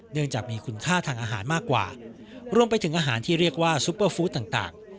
เนื่องจากมีคุณค่าทางอาหารมากกว่ารวมไปถึงอาหารที่เรียกว่าซุปเปอร์ฟู้ดต่าง